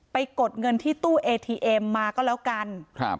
กดเงินที่ตู้เอทีเอ็มมาก็แล้วกันครับ